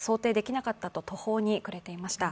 全く想定できなかったと途方に暮れていました。